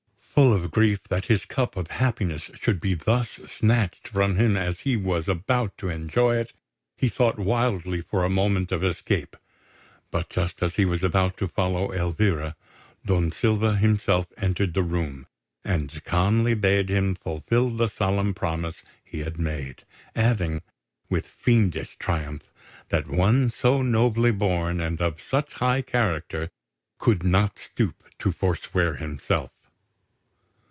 Full of grief that his cup of happiness should be thus snatched from him as he was about to enjoy it, he thought wildly for a moment of escape; but just as he was about to follow Elvira, Don Silva himself entered the room, and calmly bade him fulfil the solemn promise he had made, adding, with fiendish triumph, that one so nobly born and of such high character could not stoop to forswear himself.